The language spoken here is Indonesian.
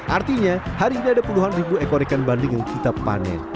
artinya hari ini ada puluhan ribu ekor ikan bandeng yang kita panen